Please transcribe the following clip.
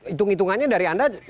itung itungannya dari anda